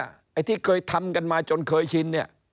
ไอ้ที่เคยทำกันมาจนเคยชินเนี่ย